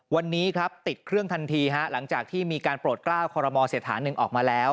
วันนี้ติดเครื่องทันทีหลังจากที่มีการโปรดกล้าคอรมมอเสถา๑ออกมาแล้ว